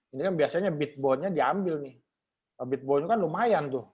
ini kan biasanya bitbonnya diambil bitbon itu kan lumayan